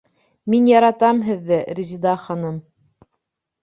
Мин яратам һеҙҙе, Резеда ханым!